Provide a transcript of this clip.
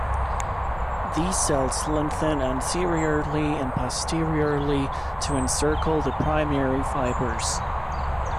These cells lengthen anteriorly and posteriorly to encircle the primary fibers.